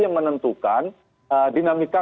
yang menentukan dinamika